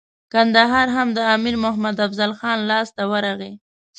کندهار هم د امیر محمد افضل خان لاسته ورغی.